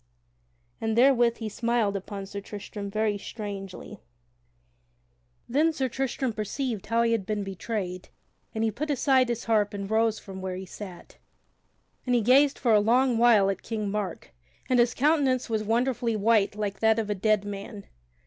And therewith he smiled upon Sir Tristram very strangely. [Sidenote: How Sir Tristram fell into despair] Then Sir Tristram perceived how he had been betrayed and he put aside his harp and rose from where he sat. And he gazed for a long while at King Mark, and his countenance was wonderfully white like that of a dead man.